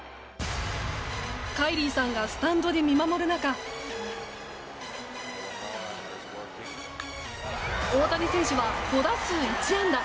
カイリーさんがスタンドで見守る中大谷選手は５打数１安打。